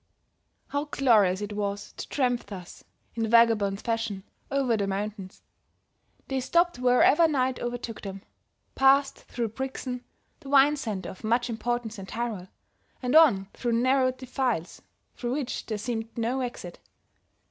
How glorious it was to tramp thus, in vagabond fashion, over the mountains! They stopped wherever night overtook them, passed through Brixen, the wine center of much importance in Tyrol, and on through narrow defiles through which there seemed no exit.